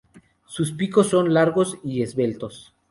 Sus picos son largos y esbeltos.